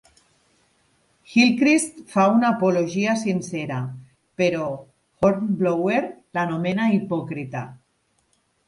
Hillcrist fa una apologia sincera, però Hornblower l'anomena hipòcrita.